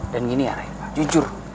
dan gini ya ray jujur